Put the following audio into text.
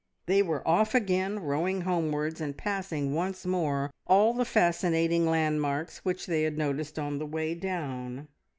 They were off again, rowing homewards and passing once more all the fascinating landmarks which they had noticed on the way down.